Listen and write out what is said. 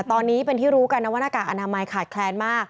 ตอนนี้เป็นที่รู้กันนะว่าหน้ากากอนามัยขาดแคลนมาก